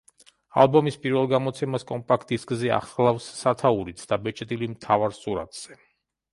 ალბომის პირველ გამოცემას კომპაქტ დისკზე ახლავს სათაურიც, დაბეჭდილი მთავარ სურათზე.